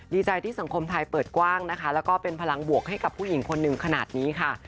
ดีใจที่สังคมไทยเปิดกว้างนะคะแล้วก็เป็นพลังบวกให้กับผู้หญิงคนหนึ่งขนาดนี้ค่ะ